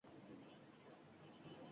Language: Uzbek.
Hukumat voqeani terakt deb atamoqda